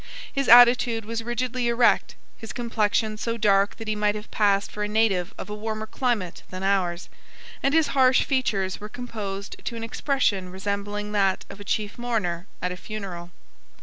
His attitude was rigidly erect his complexion so dark that he might have passed for a native of a warmer climate than ours; and his harsh features were composed to an expression resembling that of a chief mourner at a funeral.